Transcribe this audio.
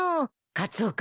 カツオ君。